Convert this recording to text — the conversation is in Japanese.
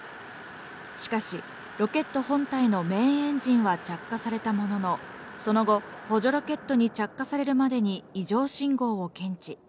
しかしロケット本体のメインエンジンは着火されたものの、その後、補助ロケットに着火されるまでに異常信号を検知。